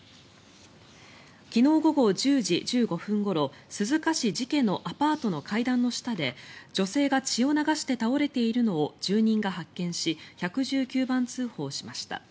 昨日午後１０時１５分ごろ鈴鹿市寺家のアパートの階段の下で女性が血を流して倒れているのを住人が発見し１１９番通報しました。